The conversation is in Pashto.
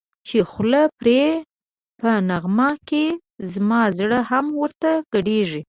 چی خوله پوری په نغمه کی زما زړه هم ورته گډېږی